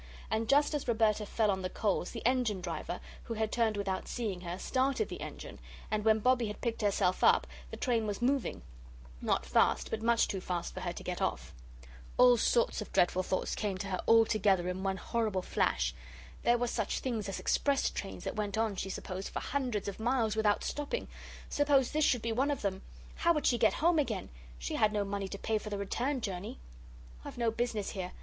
And just as Roberta fell on the coals, the engine driver, who had turned without seeing her, started the engine, and when Bobbie had picked herself up, the train was moving not fast, but much too fast for her to get off. All sorts of dreadful thoughts came to her all together in one horrible flash. There were such things as express trains that went on, she supposed, for hundreds of miles without stopping. Suppose this should be one of them? How would she get home again? She had no money to pay for the return journey. "And I've no business here.